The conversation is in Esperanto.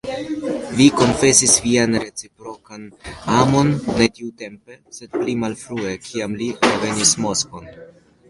Vi konfesis vian reciprokan amon ne tiutempe, sed pli malfrue, kiam li revenis Moskvon.